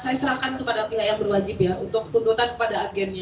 saya serahkan kepada pihak yang berwajib ya untuk tuntutan kepada agennya